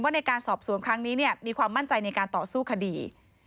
ในการสอบสวนครั้งนี้มีความมั่นใจในการต่อสู้คดี